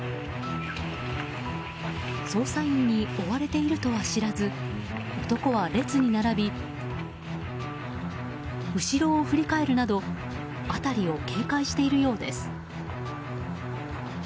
捜査員に追われているとは知らず男は列に並び後ろを振り返るなど辺りを警戒しているようです。